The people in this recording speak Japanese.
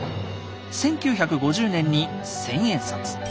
１９５０年に千円札。